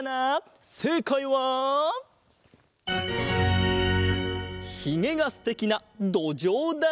せいかいはひげがすてきなどじょうだ！